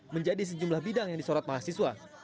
menjadi sejumlah bidang yang disorot mahasiswa